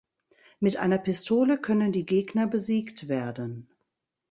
Mit einer Pistole können die Gegner besiegt werden.